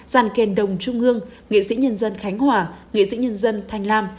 giàn kề đồng trung ương nghệ sĩ nhân dân khánh hòa nghệ sĩ nhân dân thanh lam